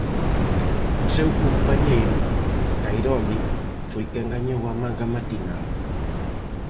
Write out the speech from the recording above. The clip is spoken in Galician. O seu compañeiro Cairoli foi quen gañou a manga matinal.